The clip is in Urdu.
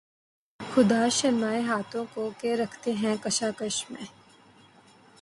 خدا شرمائے ہاتھوں کو کہ رکھتے ہیں کشاکش میں